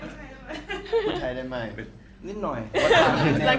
ผู้ชายได้ไหมผู้ชายได้ไหม